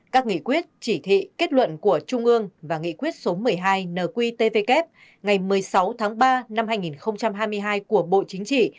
các nghị quyết chỉ thị kết luận của trung ương và nghị quyết số một mươi hai nqtvk ngày một mươi sáu tháng ba năm hai nghìn hai mươi hai của bộ chính trị